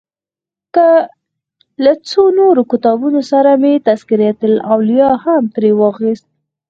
له څو نورو کتابونو سره مې تذکرة الاولیا هم ترې واخیست.